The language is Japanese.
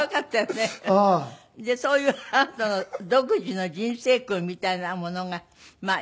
でそういうあなたの独自の人生訓みたいなものがまあ